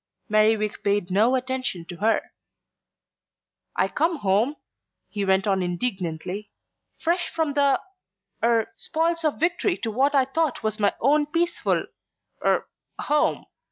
Merriwig paid no attention to her. "I come home," he went on indignantly, "fresh from the er spoils of victory to what I thought was my own peaceful er home.